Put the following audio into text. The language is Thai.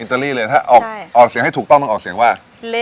ตาลีเลยถ้าออกเสียงให้ถูกต้องต้องออกเสียงว่า